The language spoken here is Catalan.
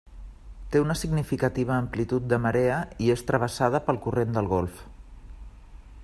Té una significativa amplitud de marea i és travessada pel corrent del Golf.